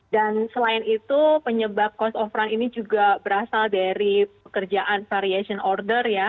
dan selain itu penyebab cost of run ini juga berasal dari pekerjaan variation order ya